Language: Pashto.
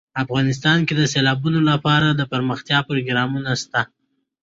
افغانستان کې د سیلابونو لپاره دپرمختیا پروګرامونه شته دي.